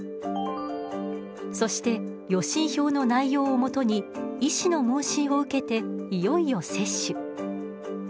そして予診票の内容をもとに医師の問診を受けていよいよ接種。